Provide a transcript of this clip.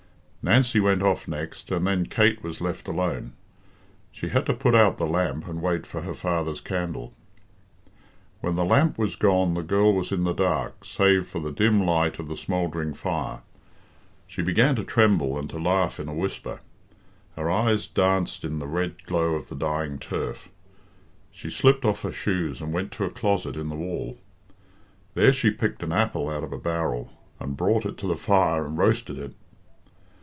Nancy went off next, and then Kate was left alone. She had to put out the lamp and wait for her father's candle. When the lamp was gone the girl was in the dark, save for the dim light of the smouldering fire. She began to tremble and to laugh in a whisper. Her eyes danced in the red glow of the dying turf. She slipped off her shoes and went to a closet in the wall. There she picked an apple out of a barrel, and brought it to the fire and roasted it.